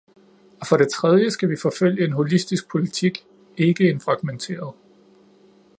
Og for det tredje skal vi forfølge en holistisk politik, ikke en fragmenteret.